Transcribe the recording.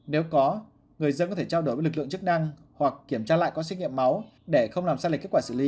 nếu có người dân có thể trao đổi với lực lượng chức năng hoặc kiểm tra lại có xét nghiệm máu để không làm sai lệch kết quả xử lý